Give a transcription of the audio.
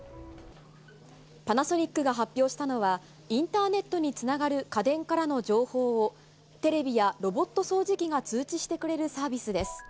パナソニックが発表したのは、インターネットにつながる家電からの情報を、テレビやロボット掃除機が通知してくれるサービスです。